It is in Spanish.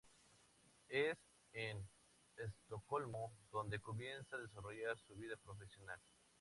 Es en Estocolmo donde comienza a desarrollar su vida profesional.